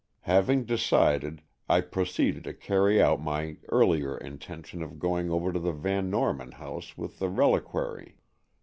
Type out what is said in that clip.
Having decided, I proceeded to carry out my earlier intention of going over to the Van Norman house with the reliquary.